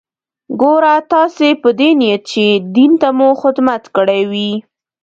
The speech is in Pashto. ګوره تاسې په دې نيت چې دين ته مو خدمت کړى وي.